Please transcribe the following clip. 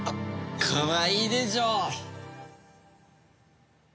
かわいいでしょ？